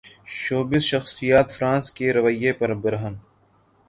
showbiz شخصیات France کے رویے پر برہم